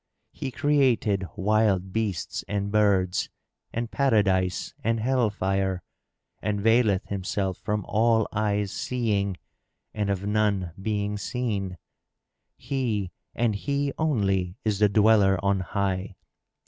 He created wild beasts and birds and Paradise and Hell fire and veileth Himself from all eyes seeing and of none being seen. He, and He only, is the Dweller on high.